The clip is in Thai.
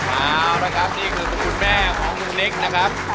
เอาละครับนี่คือคุณแม่ของลุงนิกนะครับ